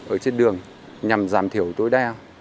ở trên đường nhằm giảm thiểu tối đa